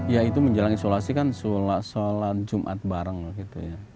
ya itu menjelang isolasi kan sholat jumat bareng lah gitu ya